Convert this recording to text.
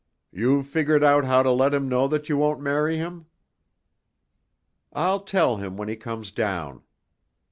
"You've figured out how to let him know that you won't marry him?" "I'll tell him when he comes down."